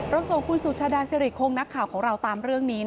ส่งคุณสุชาดาสิริคงนักข่าวของเราตามเรื่องนี้